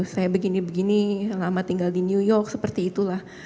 saya begini begini lama tinggal di new york seperti itulah